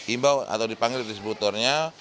imbau atau dipanggil distributornya